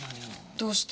どうして？